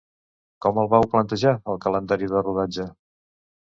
Com el vau planejar, el calendari de rodatge?